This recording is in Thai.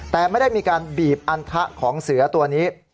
แต่ไม่ได้มีการบีบอันทะของเสือตัวนี้